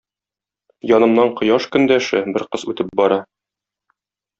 Янымнан кояш көндәше - бер кыз үтеп бара